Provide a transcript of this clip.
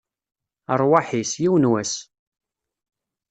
Rrwaḥ-is, yiwen n wass!